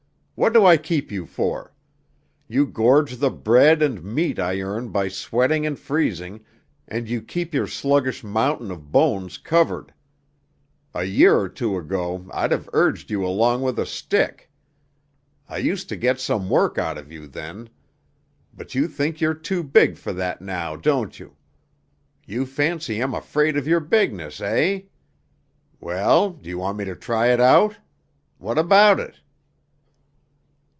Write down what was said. What do I keep you for? You gorge the bread and meat I earn by sweating and freezing, and you keep your sluggish mountain of bones covered. A year or two ago I'd have urged you along with a stick. I used to get some work out of you then. But you think you're too big for that, now, don't you? You fancy I'm afraid of your bigness, eh? Well, do you want me to try it out? What about it?"